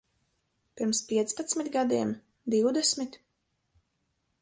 Pirms piecpadsmit gadiem? Divdesmit?